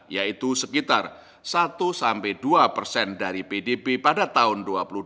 yaitu sekitar satu sampai dua persen dari pdb pada tahun dua ribu dua puluh